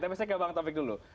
tapi saya ke bang taufik dulu